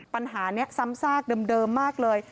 ปัญหานี้ซ้ำซากเดิมมากเลย